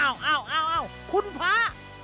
อ้าวคุณพา